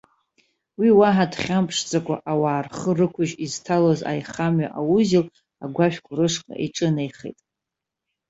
Уи уаҳа дхьамԥшӡакәа, ауаа рхы рықәыжь изҭалоз аихамҩа аузел агәашәқәа рышҟа иҿынеихеит.